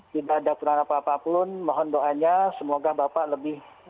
tidak ada aturan apa apa pun mohon doanya semoga bapak lebih